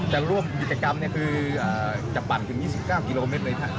จะร่วมกิจกรรมคือจะปั่นถึง๒๙กิโลเมตรเลยครับ